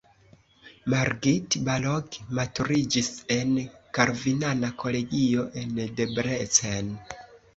Margit Balog maturiĝis en kalvinana kolegio en Debrecen.